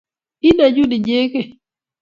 Ii nenyu inyegei